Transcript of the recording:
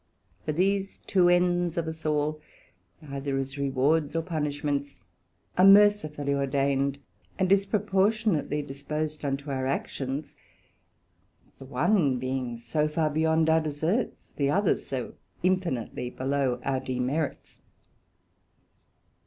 For these two ends of us all, either as rewards or punishments, are mercifully ordained and disproportionably disposed unto our actions; the one being so far beyond our deserts, the other so infinitely below our demerits.